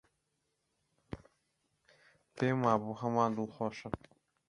پێم وابوو هەمووان دڵخۆشن.